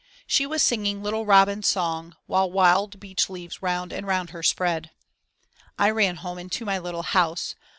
She was singing little robin's song While wild beech leaves round and round her spread. I ran home into my little house.